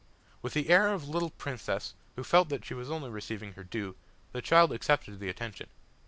With the air of a little princess, who felt that she was only receiving her due, the child accepted the attention.